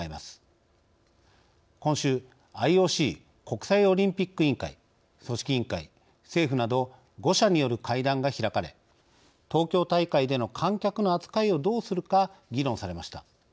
今週ＩＯＣ国際オリンピック委員会組織委員会政府など５者による会談が開かれ東京大会での観客の扱いをどうするか議論されました。